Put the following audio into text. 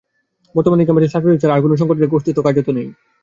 বর্তমানে এই ক্যাম্পাসে ছাত্রলীগ ছাড়া আর কোনো সংগঠনের অস্তিত্ব কার্যত নেই।